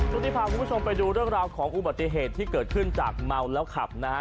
ช่วงนี้พาคุณผู้ชมไปดูเรื่องราวของอุบัติเหตุที่เกิดขึ้นจากเมาแล้วขับนะฮะ